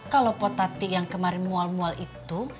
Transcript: kalau potati yang kemarin mual mual itu